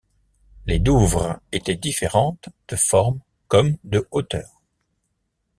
Les Douvres étaient différentes de forme comme de hauteur.